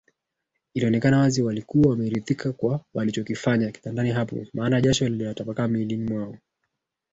ilionekana wazi walikuwa wameridhika kwa walichokifanya kitandani hapo maana jasho liliwatapakaa miilini mwao